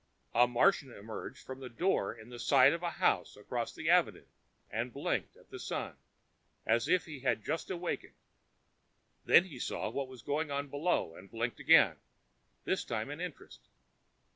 A Martian emerged from the door in the side of a house across the avenue and blinked at the Sun, as if he had just awakened. Then he saw what was going on below and blinked again, this time in interest.